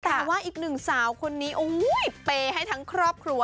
แต่ว่าอีกหนึ่งสาวคนนี้เปย์ให้ทั้งครอบครัว